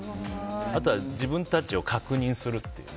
あとは自分たちを確認するという。